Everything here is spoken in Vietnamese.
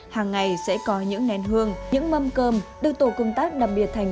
hàng ngày sẽ có những nén hương những mâm cơm được tổ công tác đặc biệt thành